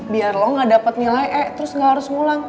biar lo gak dapet nilai e terus gak harus ngulang